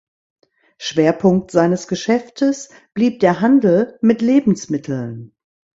Schwerpunkt seines Geschäftes blieb der Handel mit Lebensmitteln.